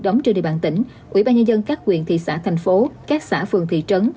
đóng trên địa bàn tỉnh ủy ban nhân dân các quyện thị xã thành phố các xã phường thị trấn